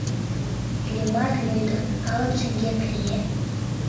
Иллимар, лӱдын, калык шеҥгек лие.